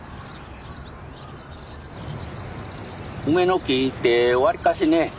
梅の木ってわりかしね